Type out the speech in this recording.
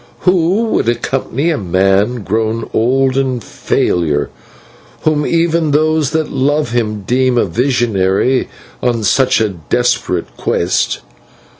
Who would accompany a man grown old in failure, whom even those that love him deem a visionary, on such a desperate quest?